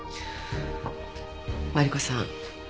マリコさん